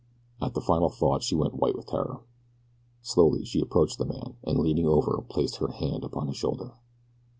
At the final thought she went white with terror. Slowly she approached the man, and leaning over placed her hand upon his shoulder.